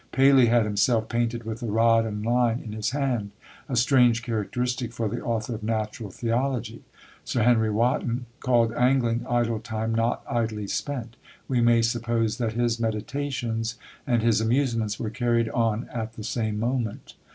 Paley had himself painted with a rod and line in his hand; a strange characteristic for the author of "Natural Theology." Sir Henry Wotton called angling "idle time not idly spent:" we may suppose that his meditations and his amusements were carried on at the same moment.